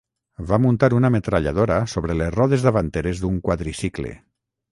Va muntar una metralladora sobre les rodes davanteres d'un quadricicle.